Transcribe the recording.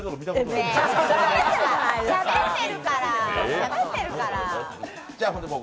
ねえ、しゃべってるから！